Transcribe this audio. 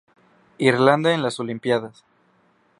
Irlanda en las Olimpíadas